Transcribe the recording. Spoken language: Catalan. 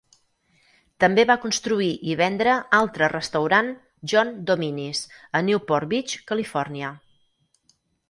També va construir i vendre altre restaurant John Dominis a Newport Beach, Califòrnia.